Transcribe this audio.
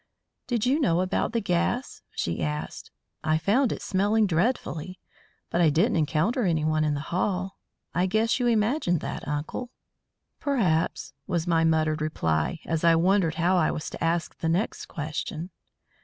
"Did you know about the gas?" she asked. "I found it smelling dreadfully. But I didn't encounter anyone in the hall. I guess you imagined that, uncle." "Perhaps!" was my muttered reply, as I wondered how I was to ask the next question.